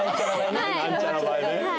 はい。